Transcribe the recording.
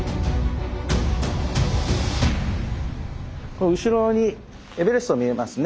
この後ろにエベレスト見えますね。